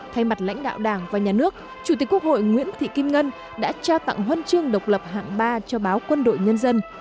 thay mặt lãnh đạo đảng và nhà nước chủ tịch quốc hội nguyễn thị kim ngân đã trao tặng huân chương độc lập hạng ba cho báo quân đội nhân dân